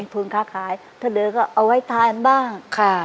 ถ้าเหลือก็เอาไว้ไทม์บ้าง